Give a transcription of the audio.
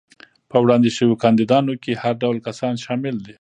په وړاندې شوو کاندیدانو کې هر ډول کسان شامل دي.